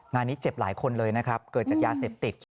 งานนี้เจ็บหลายคนเลยนะครับเกิดจากยาเสพติด